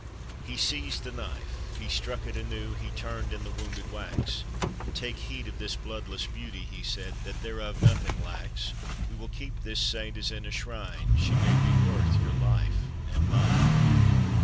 He seized the knife, he struck it anew And turned in the wounded wax: " Take heed of this bloodless beauty," he said, " That thereof nothing lacks; We will keep this saint as in a shrine; She may be worth your life and mine."